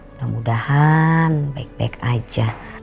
mudah mudahan baik baik aja